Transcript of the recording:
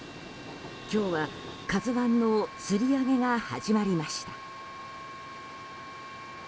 今日は「ＫＡＺＵ１」のつり上げが始まりました。